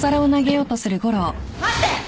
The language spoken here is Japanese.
待って！